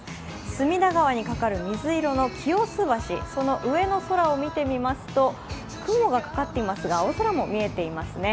隅田川にかかる水色の清洲橋、その空を見ていますと雲がかかっていますが青空も見えていますね。